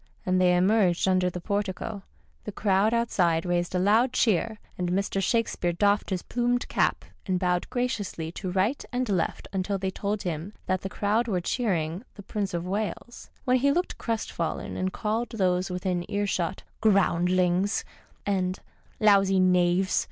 As they emerged under the portico the crowd outside raised a loud cheer, and Mr. Shakespeare doffed his plumed cap and bowed graciously to right and left until they told him that the crowd were cheering the Prince of Wales, when he looked crestfallen and called those within earshot " groundlings "' and " lousy knaves."